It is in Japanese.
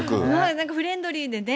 なんかフレンドリーでね。